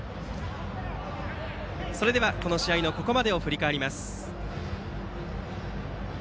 それではこの試合のここまでを振り返ります。